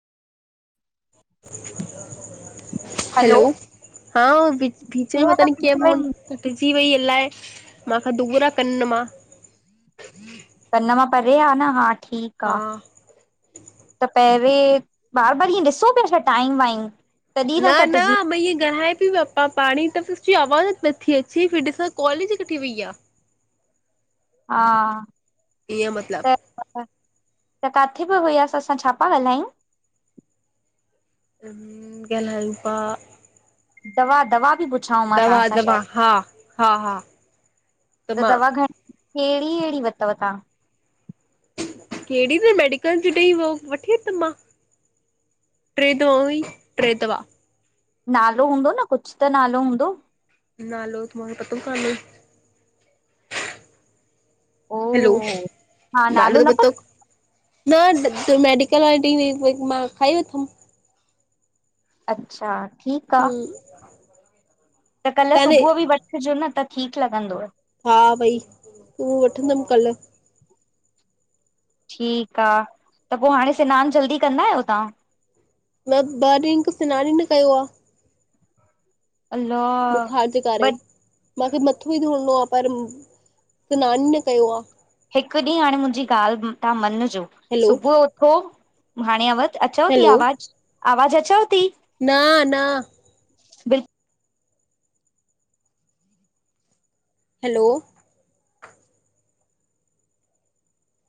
[inaudible] हलो hello, हां बीच बीचे में पता त नही कीअं पइजी फोन वई कटिजी, वई अलाए मांखां दुगरा कनि मां कन मां परे आ न हा ठीक आ। हा त प रे बार बार इअं ॾिसो पिया छा टाइम वाईम? न न मां इअं घणे पई [unintelligible] मां पाणी त पीती आवाज़ नथी अचे, फिर ॾिसां कॉल ई कटजी वई आ। हा। ईअं मतिलब त काथे पे वया असां छा पया ॻाल्हायूं? ॻाल्हियू पया [unintelligible] दवा दवा बि पुछां मां दवा तव्हां सां दवा शायदि, हा हा हा त दवा घणी? कहिड़ी कहिड़ी वरतव तां? कहिड़ी बी मेडिकल, जी ॾेई वियो वठी वेंदम मां। टे ड्रोविंग टे दवा। नालो हूंदो न, कुछ त नालो हूंदो? नालो त मुखे पतो काने। ओ हैलो, नालो पतो न त मेडिकल वारी ॾई वई मां खाई वरतुम। अच्छा, ठीकु आ हूं त कल्ह सुबुह बि वठिजो न त ठीकु लॻंदव। हा भई, हू वठंदमि कल्ह। ठीकु आ, त पोइ हाणे स्नानु जल्दी कंदा आहियो तव्हां? न ॿ ॾीहीं का स्नान ई न कयो आ। अल्लाह बुखार जे करे माखे मथो ई धोइणो, आ पर स्नानु ई न कयो आ। हिकु ॾींहुं हाणे मुंहिंजी ॻाल्हि तां मञजो हैलो सुबुह उथो हाणे अव अचव थी हैलो आवाज़ु, आवाज़ु अचव ती? न न। हैलो